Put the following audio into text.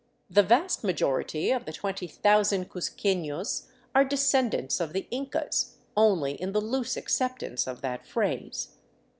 The vast majority of the 20,000 cuzquefios are " descendants of the Incas " only in the loose acceptance of that phrase.